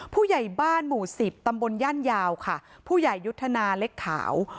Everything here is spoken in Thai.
ผู้ใหญ่บ้านหมู่สิบตำบลย่านยาวค่ะผู้ใหญ่ยุทธนาเล็กขาว